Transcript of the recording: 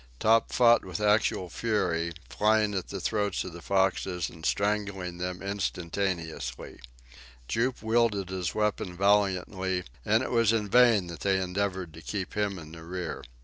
Top fought with actual fury, flying at the throats of the foxes and strangling them instantaneously. Jup wielded his weapon valiantly, and it was in vain that they endeavored to keep him in the rear.